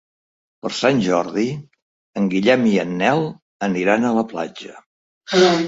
Per Sant Jordi en Guillem i en Nel aniran a la platja.